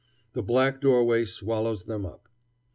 The black doorway swallows them up.